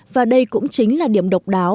và đây cũng chính là điểm độc đáo